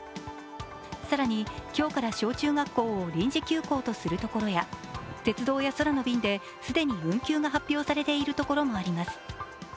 更に今日から小中学校を臨時休校とするところや鉄道や空の便で既に運休が発表されているところもあります。